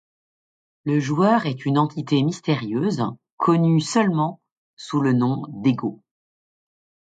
Le joueur est une entité mystérieuse, connue seulement sous le nom d'Ego.